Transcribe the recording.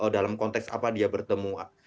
dalam konteks apa dia bertemu